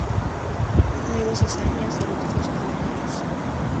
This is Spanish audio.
Nuevas hazañas de los dos caballeros.